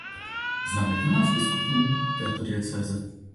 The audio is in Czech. Známe dvanáct biskupů této diecéze.